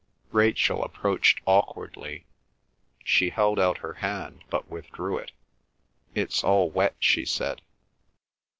Rachel approached awkwardly. She held out her hand, but withdrew it. "It's all wet," she said.